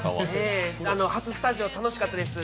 初スタジオ楽しかったです。